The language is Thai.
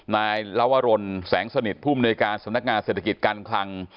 นายลวรนแสงสนิทผู้มนุยการสำนักงานเศรษฐกิจการคลัง